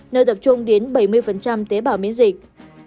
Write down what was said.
nơi tập trung đến bảy mươi tế bào miễn dịch